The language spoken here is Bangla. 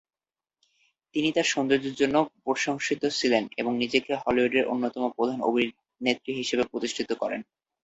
তিনি তার সৌন্দর্যের জন্য প্রশংসিত ছিলেন এবং নিজেকে হলিউডের অন্যতম প্রধান অভিনেত্রী হিসেবে প্রতিষ্ঠিত করেন।